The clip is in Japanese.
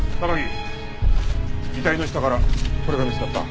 榊遺体の下からこれが見つかった。